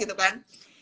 sebelas gitu kan